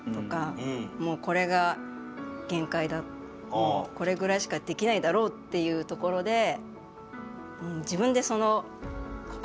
もうこれぐらいしかできないだろうっていうところで自分でそのここまで。